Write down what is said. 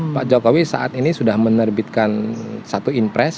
pak jokowi saat ini sudah menerbitkan satu impres